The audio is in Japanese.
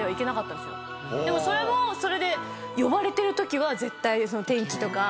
でもそれもそれで呼ばれてるときは絶対天気とか。